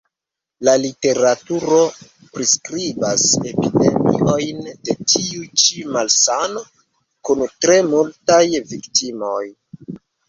La literaturo priskribas epidemiojn de tiu ĉi malsano kun tre multaj viktimoj.